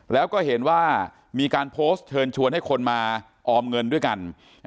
แล้วมีการโพสต์เชิญให้คนมาออมเงินด้วยกัน